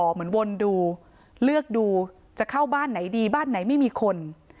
วนดูเลือกดูจะเข้าบ้านไหนดีบ้านไหนไม่มีคน